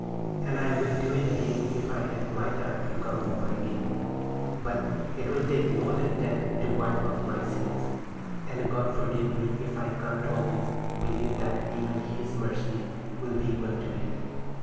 And I would do it again if I had my time to come over again; but it will take more than that to wipe out my sins, and God forgive me if I can't always believe that even His mercy will be equal to it.